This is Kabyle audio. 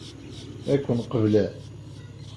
Ad ken-qeblen?